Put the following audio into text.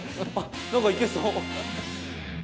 なんかいけそう。